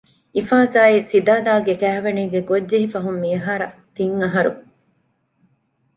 އިފާޒާއި ސިދާދާގެ ކައިވެނީގެ ގޮށްޖެހިފަހުން މިއަހަރަށް ތިން އަހަރު